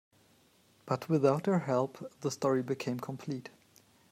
But without her help the story became complete.